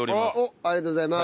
ありがとうございます。